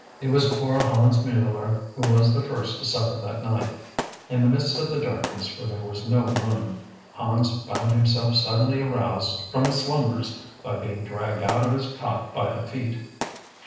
It was poor Hans Mueller who was the first to suffer that night. In the midst of the darkness, for there was no moon, Hans found himself suddenly aroused from his slumbers by being dragged out of his cot by the feet.